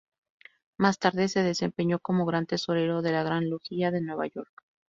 Más tarde se desempeñó como Gran Tesorero de la Gran Logia de Nueva York.